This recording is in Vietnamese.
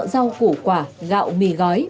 rau củ quả gạo mì gói